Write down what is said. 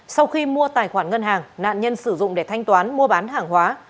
sau khi mua tài khoản ngân hàng nạn nhân sử dụng để thanh toán mua bán hàng hóa